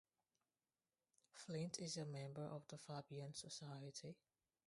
Flint is a member of the Fabian Society.